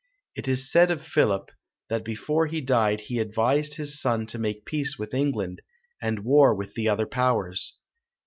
It is said of Philip, that before he died he advised his son to make peace with England, and war with the other powers.